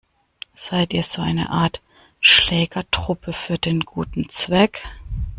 Seid ihr so eine Art Schlägertruppe für den guten Zweck?